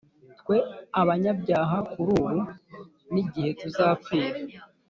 twe abanyabyaha kuri ubu n’igihe tuzapfira”